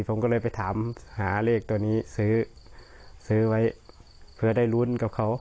ผมก็เลยไปถามหาเลขตัวนี้ซื้อซื้อไว้เผื่อได้ลุ้นกับเขา